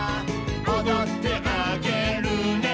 「おどってあげるね」